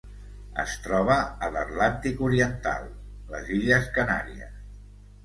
Es troba a l'Atlàntic oriental: les Illes Canàries.